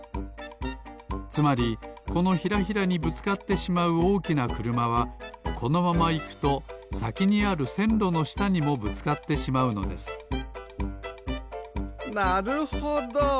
つまりこのヒラヒラにぶつかってしまうおおきなくるまはこのままいくとさきにあるせんろのしたにもぶつかってしまうのですなるほど。